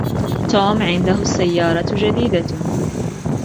توم عنده السيارة جديدة.